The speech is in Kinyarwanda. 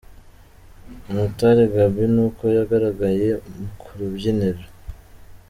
"Umutare Gaby ni uku yagaragaye ku rubyiniro.